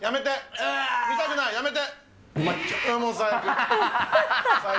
見たくない、やめて。